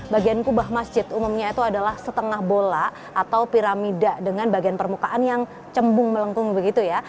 bagian kubah masjid umumnya itu adalah setengah bola atau piramida dengan bagian permukaan yang cembung melengkung begitu ya